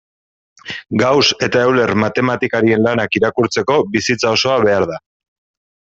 Gauss eta Euler matematikarien lanak irakurtzeko bizitza osoa behar da.